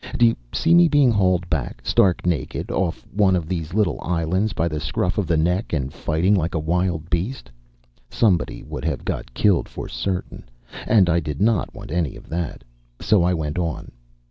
Do you see me being hauled back, stark naked, off one of these little islands by the scruff of the neck and fighting like a wild beast? Somebody would have got killed for certain, and I did not want any of that. So I went on.